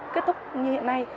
kết thúc như hiện nay